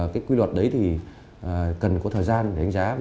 cái quy luật đấy thì cần có thời gian để đánh giá